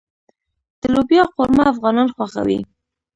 د لوبیا قورمه افغانان خوښوي.